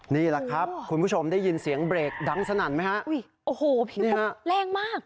นี่แหละครับคุณผู้ชมได้ยินเสียงเบรกดังสนั่นไหมฮะอุ้ยโอ้โหผิวแรงมาก